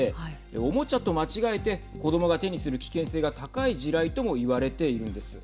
おもちゃと間違えて子どもが手にする危険性が高い地雷とも言われているんです。